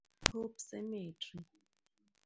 Hope Cemetery.